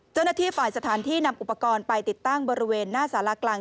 เจ้าหน้าที่ฝ่ายสถานที่นำอุปกรณ์ไปติดตั้งบริเวณหน้าสารากลาง